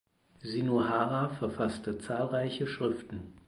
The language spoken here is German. Shinohara verfasste zahlreiche Schriften.